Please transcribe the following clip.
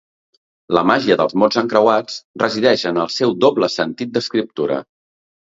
La màgia dels mots encreuats resideix en el seu doble sentit d'escriptura.